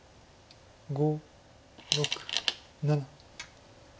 ５６７。